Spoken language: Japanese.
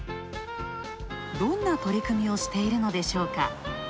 どんな取り組みをしているのでしょうか。